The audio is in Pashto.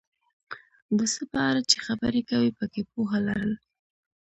د څه په اړه چې خبرې کوې پکې پوهه لرل،